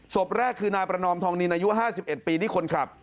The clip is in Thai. ศพแรกคือนายประนอมทองนินอายุ๕๑ปีที่คนขับ